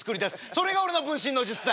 それが俺の分身の術だ。